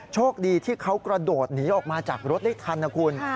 โชคดีที่เขากระโดดหนีออกมาจากรถได้ทันนะคุณ